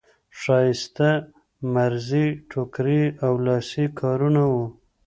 ښایسته مزري ټوکري او لاسي کارونه وو.